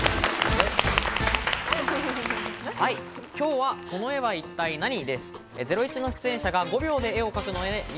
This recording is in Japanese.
今日は「この絵は一体ナニ！？」